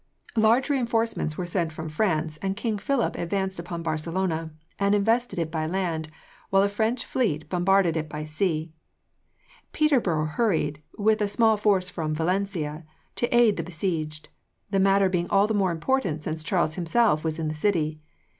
"Large reinforcements were sent from France, and King Philip advanced upon Barcelona, and invested it by land, while a French fleet bombarded it by sea. Peterborough hurried, with a small force from Valencia, to aid the besieged, the matter being all the more important since Charles himself was in the city.